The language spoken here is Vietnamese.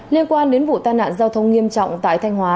liên quan đến vụ tai nạn giao thông nghiêm trọng tại thanh hóa